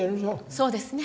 そうですね。